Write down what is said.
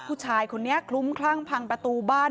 ผู้ชายคนนี้คลุ้มคลั่งพังประตูบ้าน